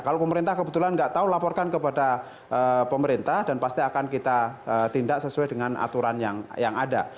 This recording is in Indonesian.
kalau pemerintah kebetulan nggak tahu laporkan kepada pemerintah dan pasti akan kita tindak sesuai dengan aturan yang ada